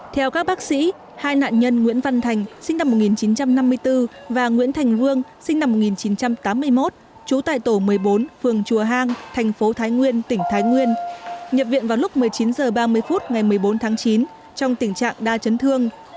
theo các bác sĩ hai nạn nhân nguyễn văn thành sinh năm một nghìn chín trăm năm mươi bốn và nguyễn thành vương sinh năm một nghìn chín trăm tám mươi một trú tại tổ một mươi bốn phường chùa hang thành phố thái nguyên tỉnh thái nguyên nhập viện vào lúc một mươi chín h ba mươi phút ngày một mươi bốn tháng chín trong tình trạng đa chấn thương